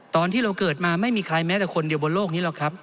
ตอนที่เราเกิดมาไม่มีใครแม้แต่คนเดียวบนโลกนี้หรอกครับ